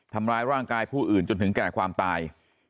ทำร้ายร่างกายผู้อื่นจนถึงแก่ความตาย